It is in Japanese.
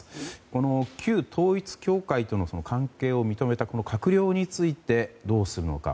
この旧統一教会との関係を認めた閣僚についてどうするのか。